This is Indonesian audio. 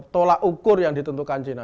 tolak ukur yang ditentukan china